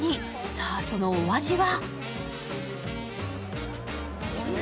さあ、そのお味は？